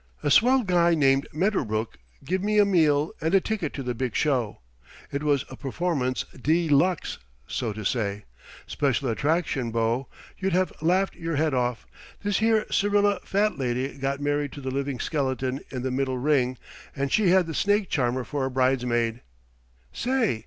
"A swell guy named Medderbrook give me a meal and a ticket to the big show. It was a performance de luxe, so to say. Special attraction, bo. You'd have laughed your head off. This here Syrilla Fat Lady got married to the Living Skeleton in the middle ring, and she had the Snake Charmer for a bridesmaid. Say!